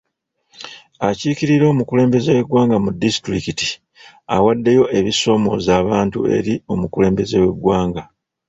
Akikirira omukulembeze w'eggwanga mu disitulikiti awaddeyo ebisoomoza abantu eri omukulembeze w'eggwanga.